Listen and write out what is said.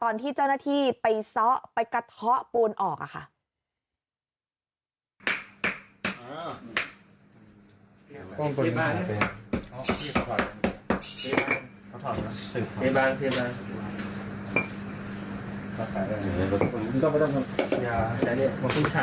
และกระเพาะปวนออกค่ะ